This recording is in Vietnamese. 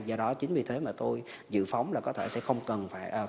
do đó chính vì thế mà tôi dự phóng là có thể sẽ không cần phải